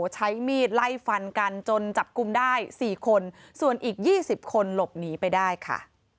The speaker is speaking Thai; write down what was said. ใช้มีดไล่ฟันกันจนจับกลุ่มได้๔คนส่วนอีก๒๐คนหลบหนีไปได้ค่ะ